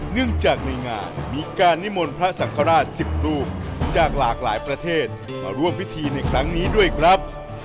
เนื่องจากในงานมีการนิมนต์พระสังฆราช๑๐รูปจากหลากหลายประเทศมาร่วมพิธีในครั้งนี้ด้วยครับ